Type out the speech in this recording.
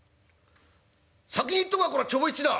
「先に言っとくがこれはちょぼいちだ」。